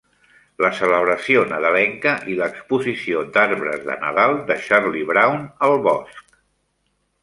La celebració nadalenca i l'exposició d'arbres de nadal de Charlie Brown al bosc.